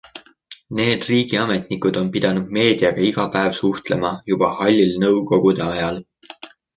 Need riigiametnikud on pidanud meediaga iga päev suhtlema juba hallil nõukogude ajal.